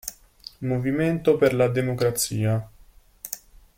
Movimento per la Democrazia